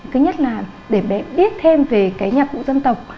cứ nhất là để bé biết thêm về cái nhạc cụ dân tộc